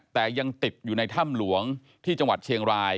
แต่ยังติดอยู่ในถ้ำหลวงที่จังหวัดเชียงราย